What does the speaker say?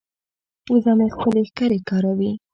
وزه مې خپلې ښکرې کاروي.